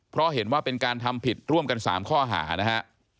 เพราะเห็นว่าเป็นการทำผิดร่วมกัน๓ข้อหานะฮะ